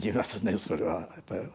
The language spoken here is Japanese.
それはやっぱり。